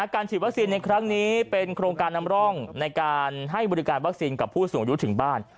การฉีดวัคซีนในครั้งนี้เป็นโครงการนำร่องในการให้บริการวัคซีนกับผู้สูงอายุถึงบ้าน